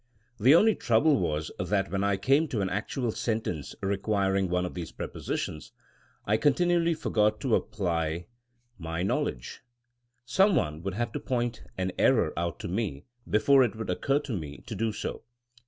The only trouble was that when I came to an actual sentence requiring one of these prepositions I continually forgot to apply my THiNEINa AS A SCIENCE 239 knowledge. Some one would have to point an error out to me before it would occur to me to do so.